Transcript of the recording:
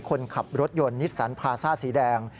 คนขับรถยนต์นิสสันพาซ่าสีแดง